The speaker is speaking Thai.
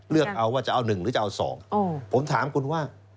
เลือกเอาว่าจะเอา๑หรือจะเอา๒ผมถามคุณว่า